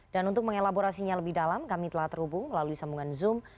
dan untuk mengelaborasinya lebih dalam kami telah terhubung melalui sambungan zoom